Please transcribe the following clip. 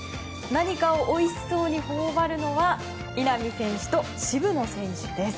何かをおいしそうに頬張るのは稲見選手と渋野選手です。